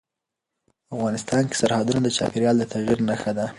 افغانستان کې سرحدونه د چاپېریال د تغیر نښه ده.